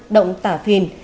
động tả phìn